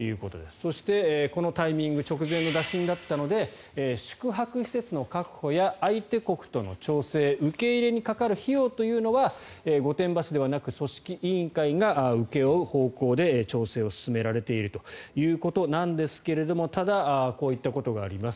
そして、このタイミング直前の打診だったので宿泊施設の確保や相手国との調整受け入れにかかる費用というのは御殿場市ではなく組織委員会が請け負う方向で調整が進められているということなんですがただこういったことがあります。